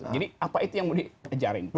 jadi apa itu yang mau dikejarin